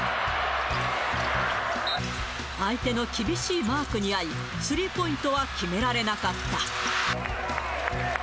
相手の厳しいマークにあい、スリーポイントは決められなかった。